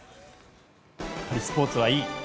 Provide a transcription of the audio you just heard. スポーツはいい。